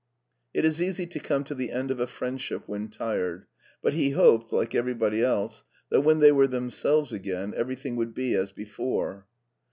It is easy to come to the end of a friendship when tired, but he hoped, like every body else, that when they were themselves again every thing would be as before.